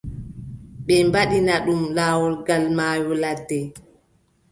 Ɓe mbaɗina ɗum, laawol gal maayo ladde.